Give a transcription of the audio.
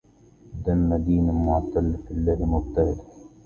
دن دين معتمل في الله مبتهل